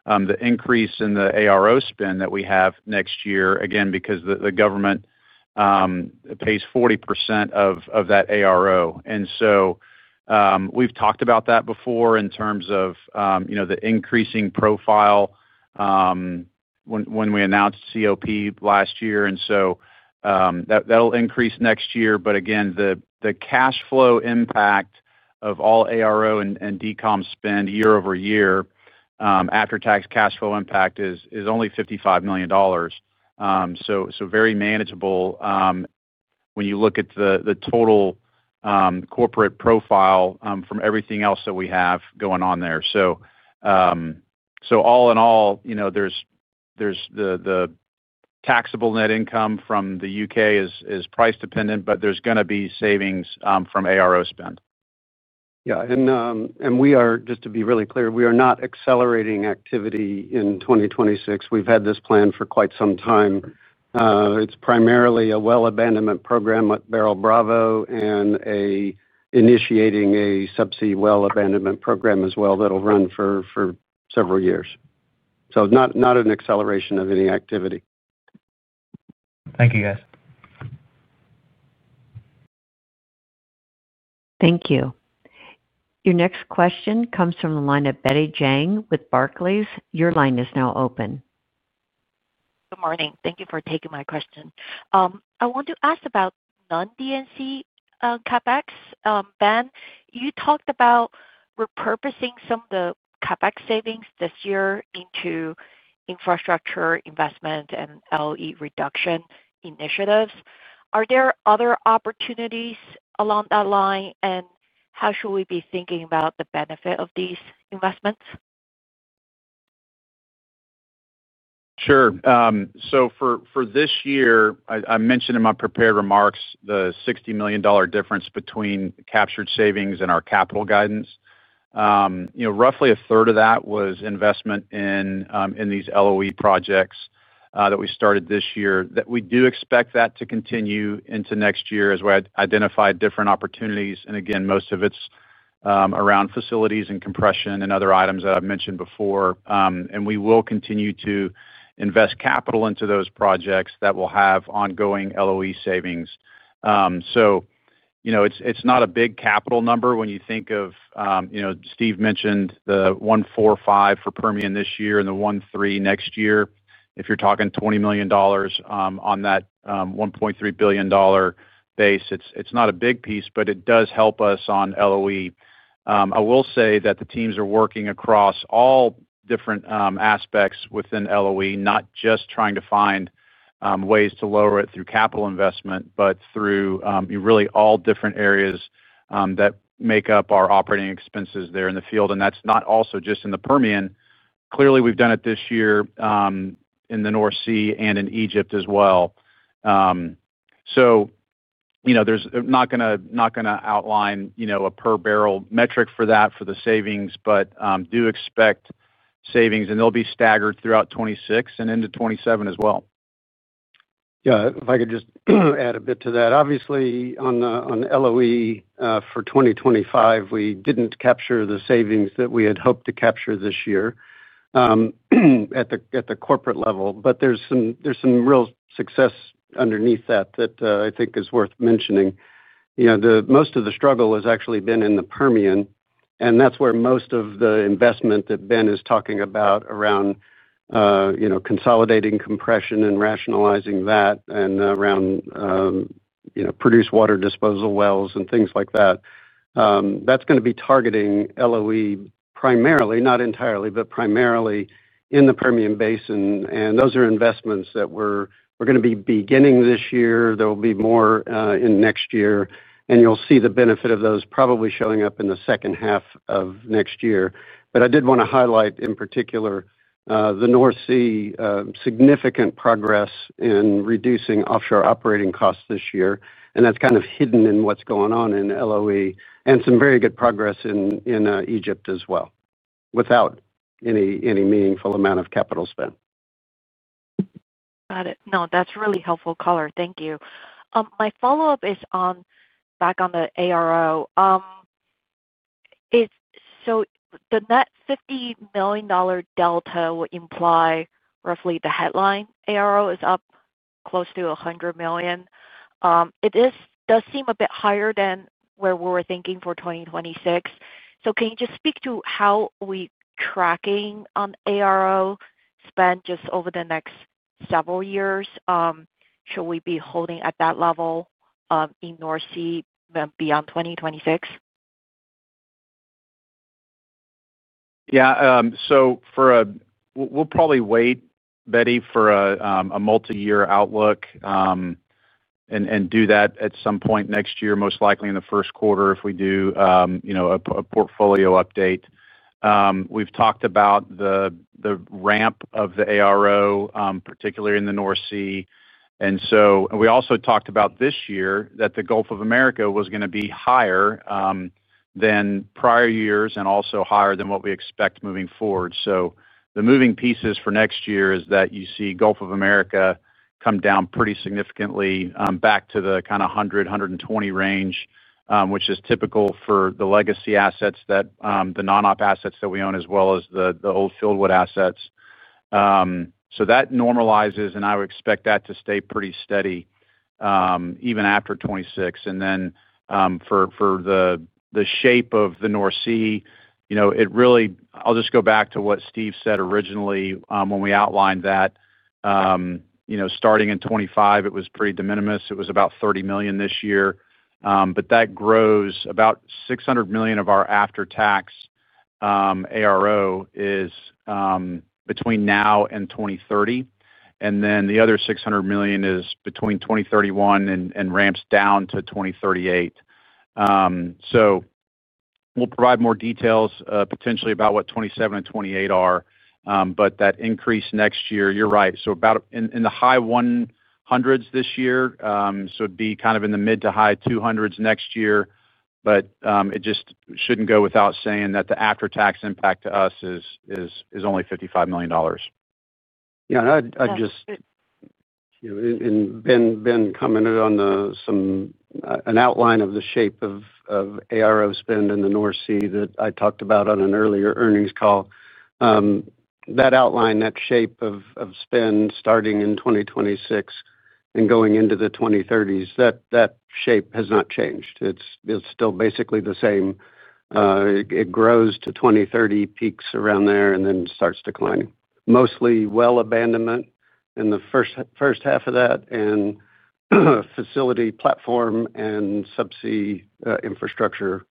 the increase in the ARO spend that we have next year, again, because the government pays 40% of that ARO. We've talked about that before in terms of the increasing profile when we announced COP last year. That'll increase next year. Again, the cash flow impact of all ARO and decom spend year-over-year, after-tax cash flow impact is only $55 million. So very manageable. When you look at the total corporate profile from everything else that we have going on there. All in all, there's the taxable net income from the U.K. is price dependent, but there's going to be savings from ARO spend. Yeah. To be really clear, we are not accelerating activity in 2026. We've had this plan for quite some time. It is primarily a well abandonment program at Beryl Bravo and initiating a subsea well abandonment program as well that will run for several years. Not an acceleration of any activity. Thank you, guys. Thank you. Your next question comes from the line of Betty Jang with Barclays. Your line is now open. Good morning. Thank you for taking my question. I want to ask about non-D&C CapEx. Ben, you talked about repurposing some of the CapEx savings this year into infrastructure investment and LOE reduction initiatives. Are there other opportunities along that line? How should we be thinking about the benefit of these investments? Sure. For this year, I mentioned in my prepared remarks the $60 million difference between captured savings and our capital guidance. Roughly a third of that was investment in these LOE projects that we started this year. We do expect that to continue into next year as we identify different opportunities. Most of it is around facilities and compression and other items that I have mentioned before. We will continue to invest capital into those projects that will have ongoing LOE savings. It is not a big capital number when you think of. Steve mentioned the $1.45 billion for Permian this year and the $1.3 billion next year. If you are talking $20 million on that $1.3 billion base, it is not a big piece, but it does help us on LOE. I will say that the teams are working across all different aspects within LOE, not just trying to find ways to lower it through capital investment, but through really all different areas that make up our operating expenses there in the field. That is not also just in the Permian. Clearly, we have done it this year in the North Sea and in Egypt as well. I am not going to outline a per barrel metric for that for the savings, but do expect savings. They will be staggered throughout 2026 and into 2027 as well. Yeah. If I could just add a bit to that. Obviously, on LOE for 2025, we did not capture the savings that we had hoped to capture this year at the corporate level. But there is some real success underneath that that I think is worth mentioning. Most of the struggle has actually been in the Permian. That is where most of the investment that Ben is talking about around consolidating compression and rationalizing that and around produced water disposal wells and things like that. That is going to be targeting LOE primarily, not entirely, but primarily in the Permian Basin. Those are investments that we are going to be beginning this year. There will be more in next year. You will see the benefit of those probably showing up in the second half of next year. I did want to highlight in particular the North Sea significant progress in reducing offshore operating costs this year. That is kind of hidden in what is going on in LOE and some very good progress in Egypt as well without any meaningful amount of capital spend. Got it. No, that's really helpful color. Thank you. My follow-up is back on the ARO. So the net $50 million delta would imply roughly the headline ARO is up close to $100 million. It does seem a bit higher than where we were thinking for 2026. Can you just speak to how we're tracking on ARO spend just over the next several years? Should we be holding at that level in North Sea beyond 2026? Yeah. We'll probably wait, Betty, for a multi-year outlook and do that at some point next year, most likely in the first quarter if we do a portfolio update. We've talked about the ramp of the ARO, particularly in the North Sea. We also talked about this year that the Gulf of Mexico was going to be higher than prior years and also higher than what we expect moving forward. The moving pieces for next year are that you see Gulf of Mexico come down pretty significantly back to the kind of $100 million-$120 million range, which is typical for the legacy assets, the non-op assets that we own, as well as the old Fieldwood assets. That normalizes, and I would expect that to stay pretty steady even after 2026. For the shape of the North Sea, it really—I will just go back to what Steve said originally when we outlined that. Starting in 2025, it was pretty de minimis. It was about $30 million this year. That grows to about $600 million of our after-tax ARO between now and 2030. The other $600 million is between 2031 and ramps down to 2038. We will provide more details potentially about what 2027 and 2028 are. That increase next year, you are right. In the high $100 million range this year, so it would be kind of in the mid to high $200 million range next year. It just should not go without saying that the after-tax impact to us is only $55 million. Yeah. I just. Ben commented on an outline of the shape of ARO spend in the North Sea that I talked about on an earlier earnings call. That outline, that shape of spend starting in 2026 and going into the 2030s, that shape has not changed. It's still basically the same. It grows to 2030, peaks around there, and then starts declining. Mostly well abandonment in the first half of that and facility platform and subsea infrastructure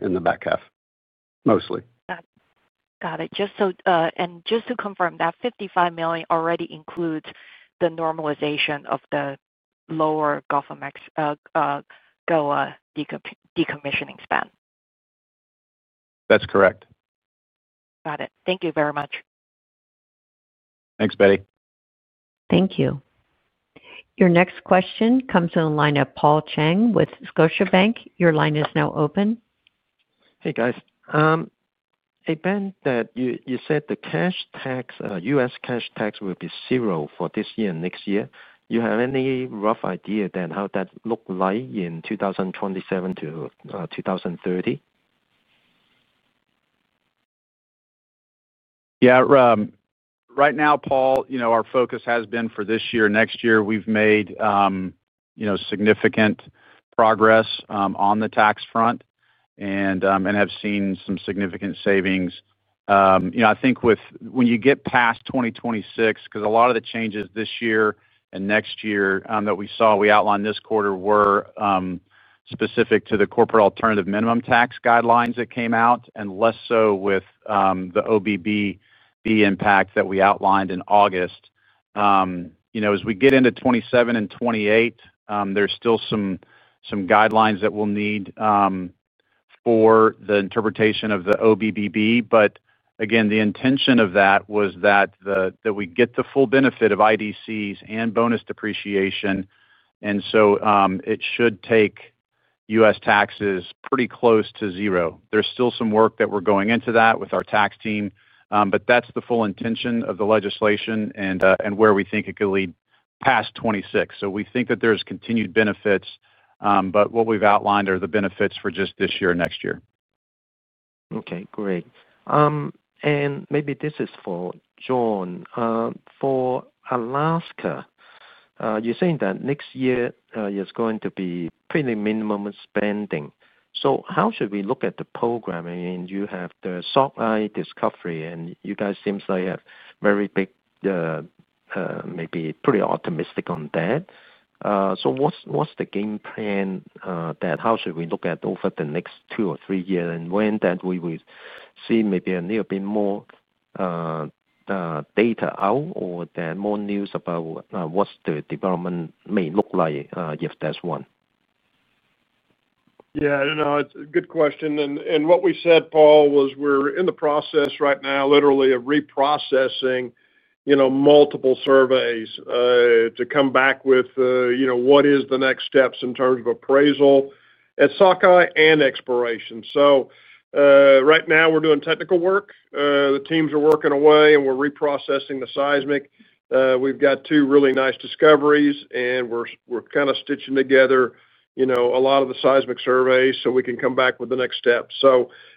in the back half, mostly. Got it. Got it. And just to confirm, that $55 million already includes the normalization of the lower Gulf of Mexico decommissioning spend? That's correct. Got it. Thank you very much. Thanks, Betty. Thank you. Your next question comes in the line of Paul Chang with Scotiabank. Your line is now open. Hey, guys. Hey, Ben, you said the U.S. cash tax will be zero for this year and next year. Do you have any rough idea then how that looks like in 2027 to 2030? Yeah. Right now, Paul, our focus has been for this year. Next year, we've made significant progress on the tax front and have seen some significant savings. I think when you get past 2026, because a lot of the changes this year and next year that we saw, we outlined this quarter, were specific to the corporate alternative minimum tax guidelines that came out and less so with the OBBB impact that we outlined in August. As we get into 2027 and 2028, there's still some guidelines that we'll need for the interpretation of the OBBB. The intention of that was that we get the full benefit of IDCs and bonus depreciation. It should take U.S. taxes pretty close to zero. There's still some work that we're going into that with our tax team. That is the full intention of the legislation and where we think it could lead past 2026. We think that there are continued benefits. What we have outlined are the benefits for just this year and next year. Okay. Great. Maybe this is for John. For Alaska, you're saying that next year is going to be pretty minimum spending. How should we look at the program? I mean, you have the SOC I discovery, and you guys seem like you have very big, maybe pretty optimistic on that. What's the game plan, how should we look at it over the next two or three years? When would we see maybe a little bit more data out or more news about what the development may look like if that's one? Yeah. I don't know. It's a good question. What we said, Paul, was we're in the process right now, literally, of reprocessing multiple surveys to come back with what is the next steps in terms of appraisal at SOC I and exploration. Right now, we're doing technical work. The teams are working away, and we're reprocessing the seismic. We've got two really nice discoveries, and we're kind of stitching together a lot of the seismic surveys so we can come back with the next steps.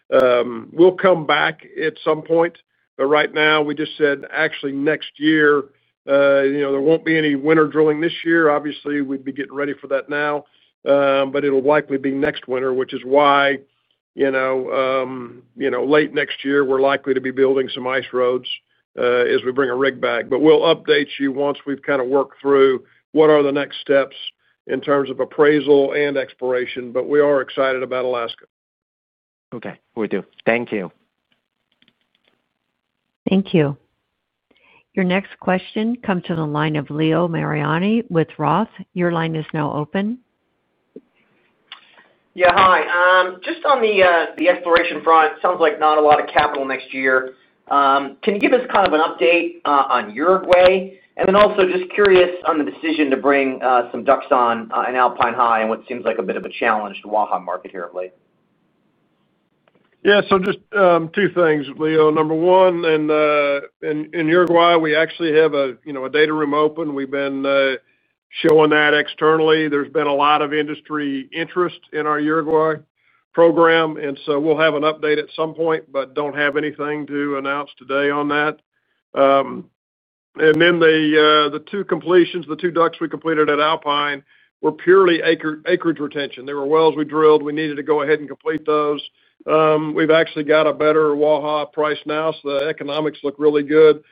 We'll come back at some point. Right now, we just said actually next year, there won't be any winter drilling this year. Obviously, we'd be getting ready for that now. It'll likely be next winter, which is why late next year, we're likely to be building some ice roads as we bring a rig back. We will update you once we have kind of worked through what are the next steps in terms of appraisal and exploration. We are excited about Alaska. Okay. We do. Thank you. Thank you. Your next question comes to the line of Leo Mariani with Roth. Your line is now open. Yeah. Hi. Just on the exploration front, it sounds like not a lot of capital next year. Can you give us kind of an update on Uruguay? Also just curious on the decision to bring some ducks on in Alpine High and what seems like a bit of a challenge to Waha market here of late. Yeah. Just two things, Leo. Number one, in Uruguay, we actually have a data room open. We've been showing that externally. There's been a lot of industry interest in our Uruguay program. We'll have an update at some point, but do not have anything to announce today on that. The two completions, the two ducks we completed at Alpine, were purely acreage retention. There were wells we drilled. We needed to go ahead and complete those. We've actually got a better Waha price now, so the economics look really good.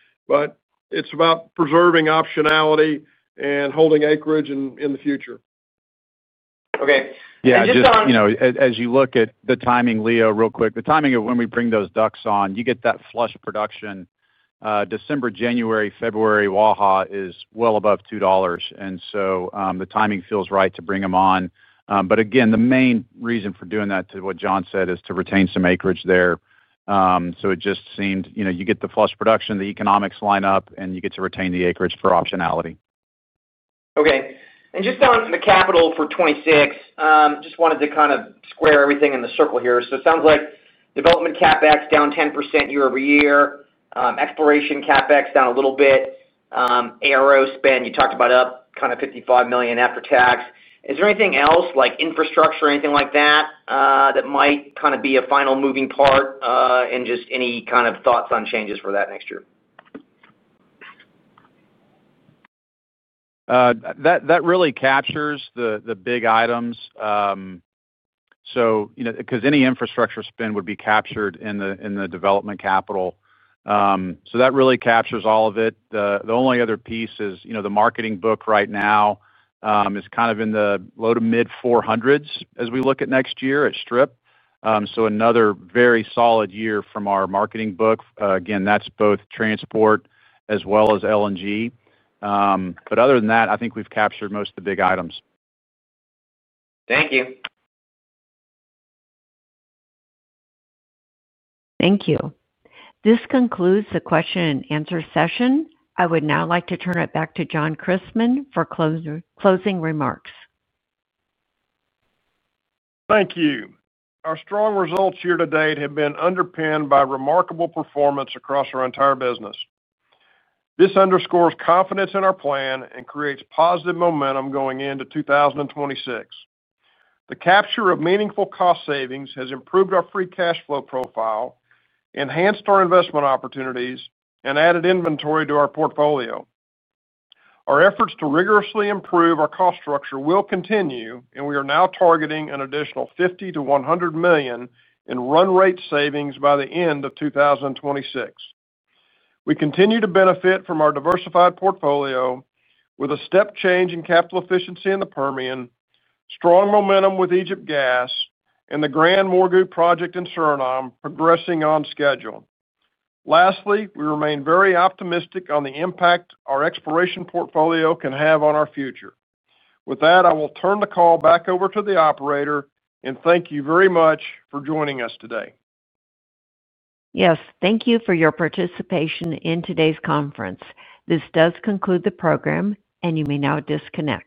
It's about preserving optionality and holding acreage in the future. Okay. Yeah. Just on. As you look at the timing, Leo, real quick, the timing of when we bring those ducks on, you get that flush production. December, January, February, Waha is well above $2. The timing feels right to bring them on. Again, the main reason for doing that, to what John said, is to retain some acreage there. It just seemed you get the flush production, the economics line up, and you get to retain the acreage for optionality. Okay. Just on the capital for 2026, just wanted to kind of square everything in the circle here. It sounds like development CapEx down 10% year-over-year. Exploration CapEx down a little bit. ARO spend, you talked about up kind of $55 million after tax. Is there anything else like infrastructure or anything like that that might kind of be a final moving part and just any kind of thoughts on changes for that next year? That really captures the big items. Because any infrastructure spend would be captured in the development capital. That really captures all of it. The only other piece is the marketing book right now. Is kind of in the low to mid $400 million as we look at next year at Strip. Another very solid year from our marketing book. Again, that's both transport as well as LNG. Other than that, I think we've captured most of the big items. Thank you. Thank you. This concludes the question and answer session. I would now like to turn it back to John Christmann for closing remarks. Thank you. Our strong results year to date have been underpinned by remarkable performance across our entire business. This underscores confidence in our plan and creates positive momentum going into 2026. The capture of meaningful cost savings has improved our free cash flow profile, enhanced our investment opportunities, and added inventory to our portfolio. Our efforts to rigorously improve our cost structure will continue, and we are now targeting an additional $50 million-$100 million in run rate savings by the end of 2026. We continue to benefit from our diversified portfolio with a step change in capital efficiency in the Permian, strong momentum with Egypt Gas, and the GranMorgu project in Suriname progressing on schedule. Lastly, we remain very optimistic on the impact our exploration portfolio can have on our future. With that, I will turn the call back over to the operator and thank you very much for joining us today. Yes. Thank you for your participation in today's conference. This does conclude the program, and you may now disconnect.